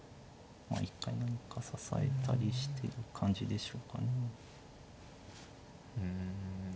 まあ一回何か支えたりしてく感じでしょうかね。